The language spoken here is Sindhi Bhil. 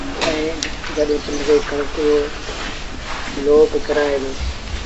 ائيٚݩ پنڊريٚ ڪڻڪ رو لوب ڪرآئي دو